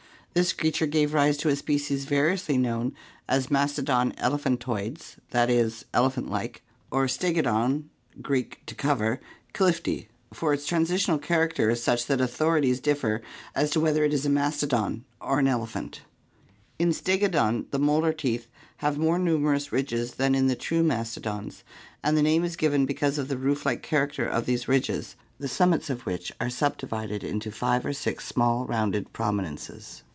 This creature gave rise to a species variously known as Mastodon elephantoides (i. £., elephant like) or Stegodon (Gr. areyew, to cover) difti, for its transitional character is such that authorities differ as to whether it is a mastodon or an elephant. In Stegodon the molar teeth (see Fig. 195, B), have more numerous ridges than in the true mastodons and the name is given because of the roof like character of these ridges, the summits of which are subdivided into five or six small, rounded prominences.